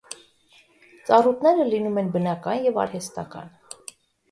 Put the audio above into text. Ծառուտները լինում են բնական և արհեստական։